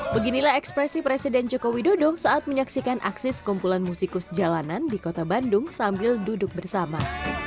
beginilah ekspresi presiden jokowi dodo saat menyaksikan aksis kumpulan musikus jalanan di kota bandung sambil duduk bersama